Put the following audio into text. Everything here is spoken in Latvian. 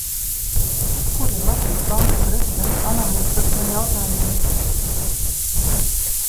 Kur ir Latvijas Bankas prezidenta analīze par šiem jautājumiem?